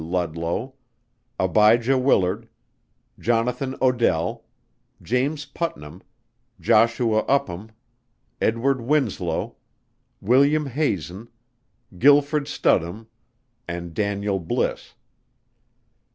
LUDLOW, ABIJAH WILLARD, JONATHAN ODELL, JAMES PUTNAM, JOSHUA UPHAM, EDWARD WINSLOW, WILLIAM HAZEN, GILFRED STUDHOLM, AND DANIEL BLISS.